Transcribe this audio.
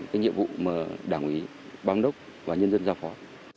cái nhiệm vụ mà đảng quý bám đốc và nhân dân giao phó